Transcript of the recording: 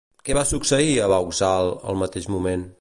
Què va succeir a Vauxhall al mateix moment?